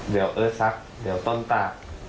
เดี๋ยวเออซักเดี๋ยวต้นตาก